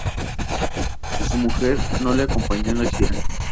Su mujer no le acompañó en la gira.